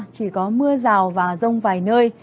chỉ có mưa rào và rông vài nơi